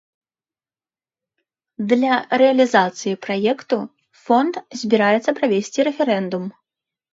Для рэалізацыі праекту фонд збіраецца правесці рэферэндум.